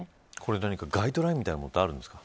何か、ガイドラインみたいなものってあるんですか。